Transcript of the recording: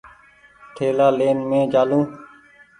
ٿيلآ لين مينٚ چآلون